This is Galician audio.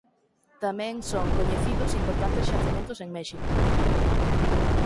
Tamén son coñecidos importantes xacementos en México.